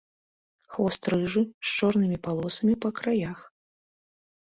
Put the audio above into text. Хвост рыжы з чорнымі палосамі па краях.